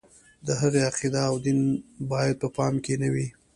د هغه عقیده او دین باید په پام کې نه وي.